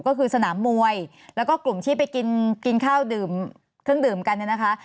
ก็คือสนามวยแล้วก็กลุ่มที่ไปกินข้าวดื่มกันนะครับ